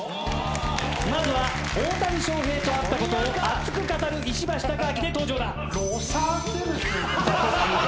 まずは大谷翔平と会ったことを熱く語る石橋貴明で登場だ。